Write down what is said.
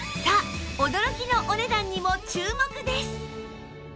さあ驚きのお値段にも注目です